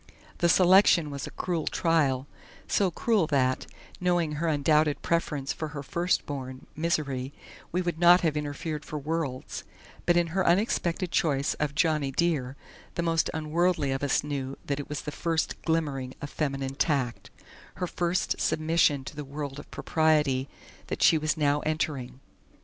The selection was a cruel trial, so cruel that, knowing her undoubted preference for her firstborn, Misery, we would not have interfered for worlds, but in her unexpected choice of "Johnny Dear" the most unworldly of us knew that it was the first glimmering of feminine tact her first submission to the world of propriety that she was now entering.